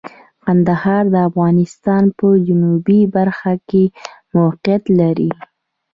کندهار د افغانستان په جنوبی برخه کې موقعیت لري.